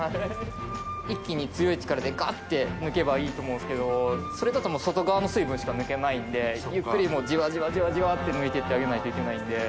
一気に強い力でガッて抜けばいいと思うんですけどそれだと外側の水分しか抜けないんでゆっくりじわじわじわじわって抜いていってあげないといけないんで。